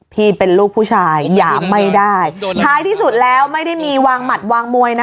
พี่เป็นลูกผู้ชายหยามไม่ได้ท้ายที่สุดแล้วไม่ได้มีวางหมัดวางมวยนะ